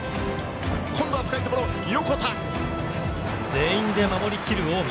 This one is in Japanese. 全員で守り切る近江。